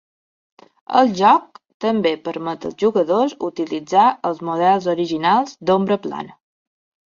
El joc també permet als jugadors utilitzar els models originals d'ombra plana.